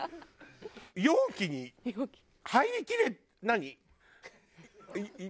容器に入りきれ何？